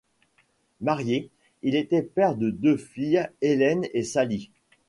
Marié, il était père de deux filles, Helen et Sally.